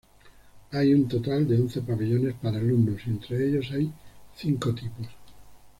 Hay un total de once pabellones para alumnos y entre ellos hay cinco tipos.